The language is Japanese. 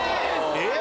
えっ！